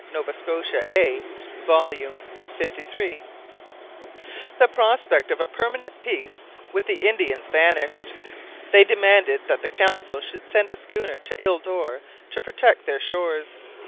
Nova Scotia A, vol. liii.] The prospect of a permanent peace with the Indians vanished. They demanded that the Council should send a schooner to Ile Dore to protect their shores.